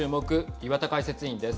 岩田解説委員です。